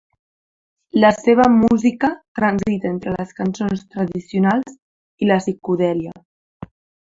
La seva música transita entre les cançons tradicionals i la psicodèlia.